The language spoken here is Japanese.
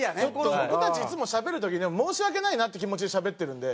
僕たちいつもしゃべる時申し訳ないなって気持ちでしゃべってるんで。